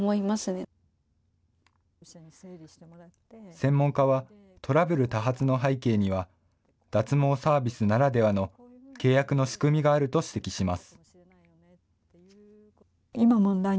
専門家は、トラブル多発の背景には、脱毛サービスならではの契約の仕組みがあると指摘します。